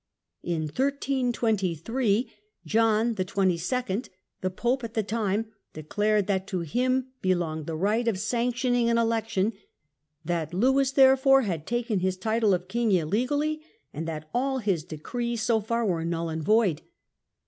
In 1323 John XXII., the PopeLewj^and at the time, declared that to him belonged the right of ^^^_ sanctioning an election, that Lewis therefore had taken his title of King illegally and that all his decrees so far were null and void.